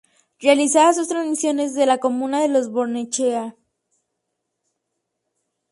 Realiza sus transmisiones desde la comuna de Lo Barnechea.